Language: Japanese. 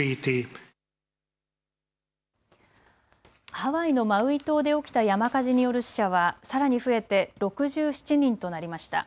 ハワイのマウイ島で起きた山火事による死者はさらに増えて６７人となりました。